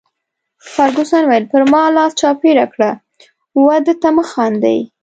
فرګوسن وویل: پر ما لاس چاپیره کړه، وه ده ته مه خاندي.